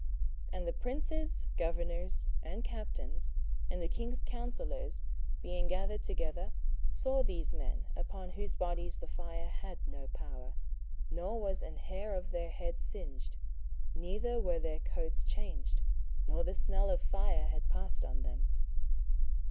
27:003:027 And the princes, governors, and captains, and the king's counsellors, being gathered together, saw these men, upon whose bodies the fire had no power, nor was an hair of their head singed, neither were their coats changed, nor the smell of fire had passed on them.